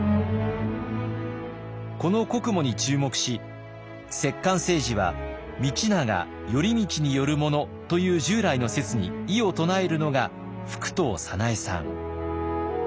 この国母に注目し摂関政治は道長頼通によるものという従来の説に異を唱えるのが服藤早苗さん。